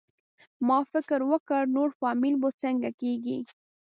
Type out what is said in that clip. ما فکر وکړ نور فامیل به څنګه کېږي؟